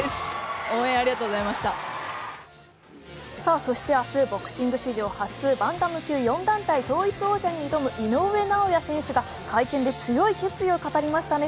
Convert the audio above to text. そして明日、ボクシング史上初バンタム級４団体統一王者に挑む井上尚弥選手が会見で強い決意を語りましたね。